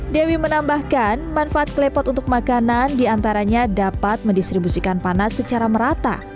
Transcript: dewi menambahkan manfaat klepot untuk makanan diantaranya dapat mendistribusikan panas secara merata